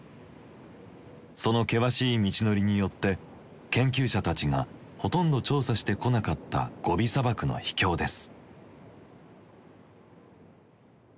その険しい道のりによって研究者たちがほとんど調査してこなかったゴビ砂漠の秘境です。